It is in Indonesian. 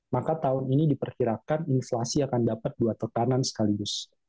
maka tahun ini diperkirakan inflasi akan dapat dua tekanan sekaligus